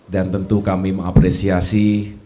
dan tentu kami mengapresiasi